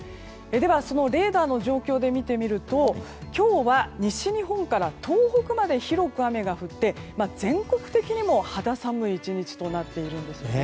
では、そのレーダーの状況で見てみると今日は西日本から東北まで広く雨が降って全国的にも肌寒い１日となっているんです。